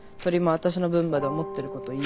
私の分まで思ってる事言えば。